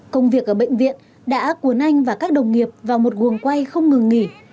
công việc ở bệnh viện đã cuốn anh và các đồng nghiệp vào một quần quay không ngừng nghỉ